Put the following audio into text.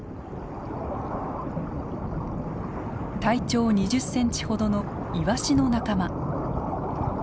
体長２０センチほどのイワシの仲間。